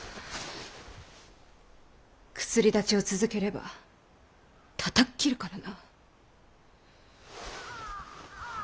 薬だちを続ければたたっ斬るからな。